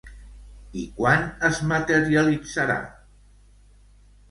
I quan es materialitzarà?